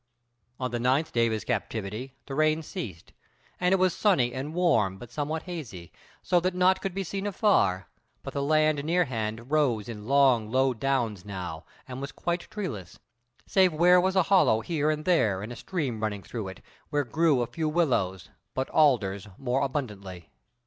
On the ninth day of his captivity the rain ceased and it was sunny and warm but somewhat hazy, so that naught could be seen afar, but the land near hand rose in long, low downs now, and was quite treeless, save where was a hollow here and there and a stream running through it, where grew a few willows, but alders more abundantly.